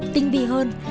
tinh vi hơn